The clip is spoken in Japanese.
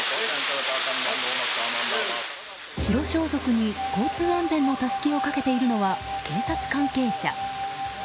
白装束に交通安全のたすきをかけているのは警察関係者。